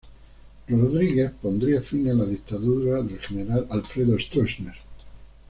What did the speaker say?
Rodríguez- pondría fin a la dictadura del general Alfredo Stroessner.